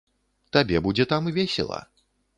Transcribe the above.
Табе будзе там весела.